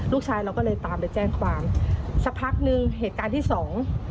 เราก็เลยตามไปแจ้งความสักพักหนึ่งเหตุการณ์ที่สอง